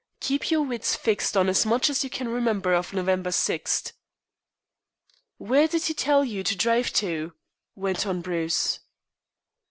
"Keep your wits fixed on as much as you can remember of November 6." "Where did he tell you to drive to?" went on Bruce.